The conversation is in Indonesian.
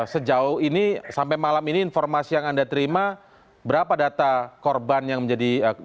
sejauh ini sampai malam ini informasi yang anda terima berapa data korban yang menjadi korban